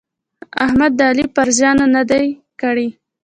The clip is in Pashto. احمد د علي پر ژنده نه دي کړي.